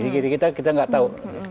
jadi kita nggak tahu